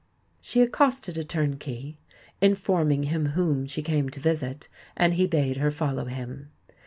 She accosted a turnkey, informing him whom she came to visit; and he bade her follow him.